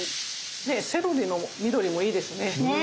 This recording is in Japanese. セロリの緑もいいですね。